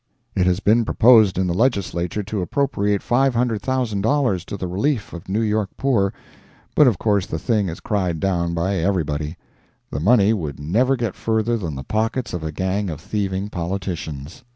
It has been proposed in the Legislature to appropriate $500,000 to the relief of New York poor, but of course the thing is cried down by everybody—the money would never get further than the pockets of a gang of thieving politicians.